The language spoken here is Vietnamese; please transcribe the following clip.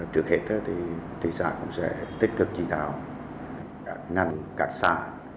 trước hết thị xã cũng sẽ tích cực chỉ đạo ngăn các xã